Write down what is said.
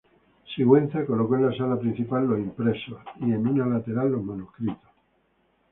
Sigüenza colocó en la Sala Principal los impresos y en una lateral los manuscritos.